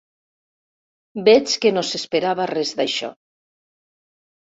Veig que no s'esperava res d'això.